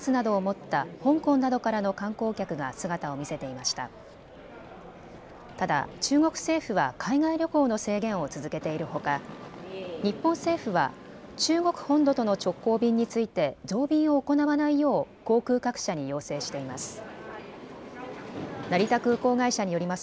ただ中国政府は海外旅行の制限を続けているほか日本政府は中国本土との直行便について増便を行わないよう航空各社に要請しています。